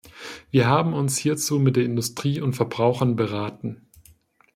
Wir haben uns hierzu mit der Industrie und Verbrauchern beraten.